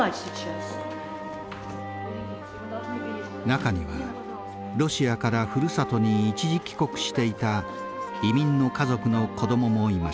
中にはロシアからふるさとに一時帰国していた移民の家族の子供もいました。